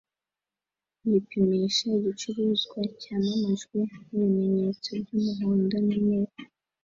yipimisha igicuruzwa cyamamajwe nibimenyetso byumuhondo numweru